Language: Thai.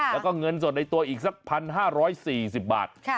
แล้วก็เงินสดในตัวอีกสัก๑๕๔๐บาท